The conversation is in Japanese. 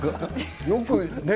よくねえ。